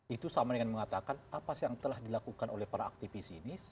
itu sama dengan mengatakan apa sih yang telah dilakukan oleh para aktivis ini